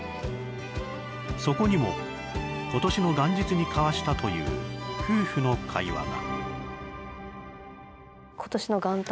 そこにも今年の元日に交わしたという夫婦の会話が。